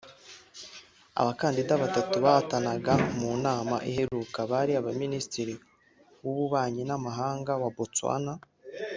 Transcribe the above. Abakandida batatu bahatanaga mu nama iheruka bari Minisitiri w’Ububanyi N’amahanga wa Botswana